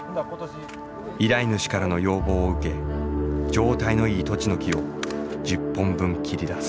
依頼主からの要望を受け状態のいいトチの木を１０本分切り出す。